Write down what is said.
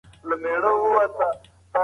انټرنیټ د زده کوونکو روحیه قوي ساتي.